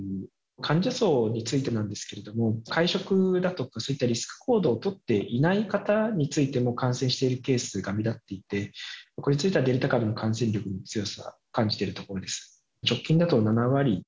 患者層についてなんですけれども、会食だとか、そういったリスク行動を取っていない方についても感染しているケースが目立っていて、これについてはデルタ株の感染力の強さを感じてるところです。